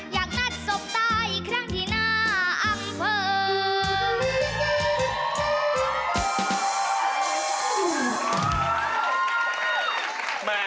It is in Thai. อยากนัดสบตาอีกครั้งที่หน้า